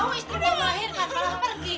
kau istri mau melahirkan malah pergi